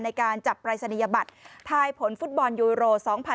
ในการจับปรายศนียบัตรทายผลฟุตบอลยูโร๒๐๑๖